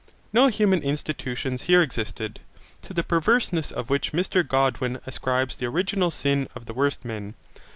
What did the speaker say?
No human institutions here existed, to the perverseness of which Mr Godwin ascribes the original sin of the worst men.